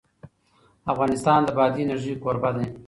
افغانستان د بادي انرژي کوربه دی.